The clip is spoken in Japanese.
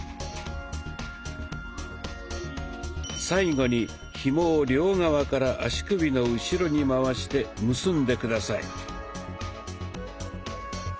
最後にひもを両側から足首の後ろに回して結んで下さい。